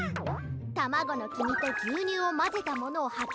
たまごのきみとぎゅうにゅうをまぜたものをハケでぬる。